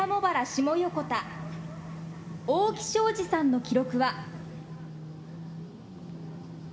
下横田大木祥資さんの記録は。